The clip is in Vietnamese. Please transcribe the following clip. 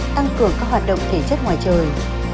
tăng cường các hoạt động thể chất ngoài trời